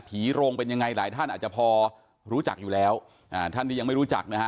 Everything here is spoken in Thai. โรงเป็นยังไงหลายท่านอาจจะพอรู้จักอยู่แล้วอ่าท่านที่ยังไม่รู้จักนะฮะ